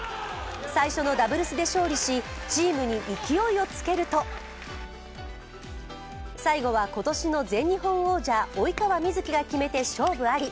最初のダブルスで勝利し、チームに勢いをつけると最後は今年の全日本王者、及川瑞基が決めて、勝負あり。